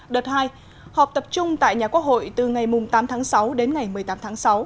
đợt hai họp tập trung tại nhà quốc hội từ ngày tám tháng sáu đến ngày một mươi tám tháng sáu